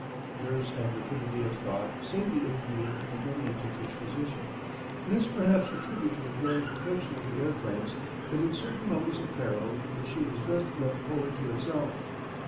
Nerve and rapidity of thought save the aviator in many a ticklish position. It is perhaps a tribute to the growing perfection of the airplanes that in certain moments of peril the machine is best left wholly to itself.